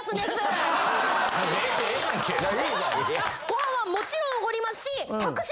ご飯はもちろん奢りますし。